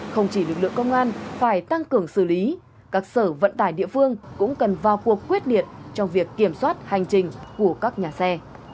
không chỉ lực lượng công an phải tăng cường xử lý các sở vận tải địa phương cũng cần vào cuộc quyết liệt trong việc kiểm soát hành trình của các nhà xe